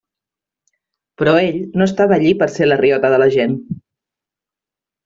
Però ell no estava allí per a ser la riota de la gent.